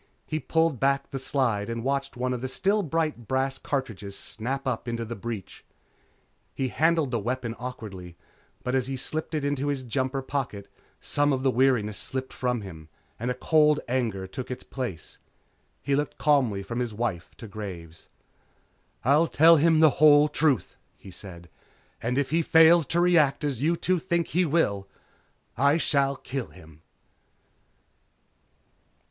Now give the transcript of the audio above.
He pulled back the slide and watched one of the still bright brass cartridges snap up into the breech. He handled the weapon awkwardly, but as he slipped it into his jumper pocket some of the weariness slipped from him and a cold anger took its place. He looked calmly from his wife to Graves. "I'll tell him the whole truth," he said, "And if he fails to react as you two think he will, I shall kill him."